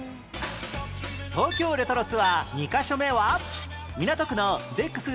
東京レトロツアー２カ所目は港区のデックス